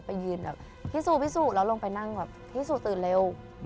ไปยืนแบบพี่สู่แล้วลงไปนั่งแบบพี่สู่ตื่นเร็ว